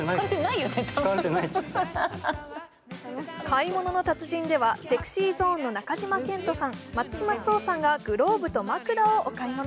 「買い物の達人」ではＳｅｘｙＺｏｎｅの中島健人さん、松島聡さんがグローブと枕をお買い物。